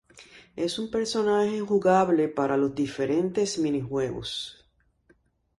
Es un personaje jugable para los diferentes mini-juegos.